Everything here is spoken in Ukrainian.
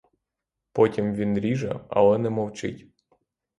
Потім він ріже, але не мовчить.